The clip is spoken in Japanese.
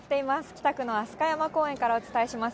北区の飛鳥山公園からお伝えします。